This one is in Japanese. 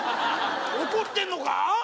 怒ってんのか？